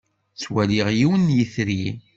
Ttwaliɣ yiwen n yetri.